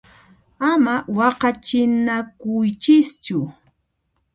Ama waqachinakuychischu!